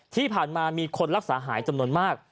ที่ผ่านมามีคนรักษาหายจำนวนมาก